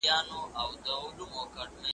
یوه ورځ به ته هم وینې د سرو میو ډک خمونه .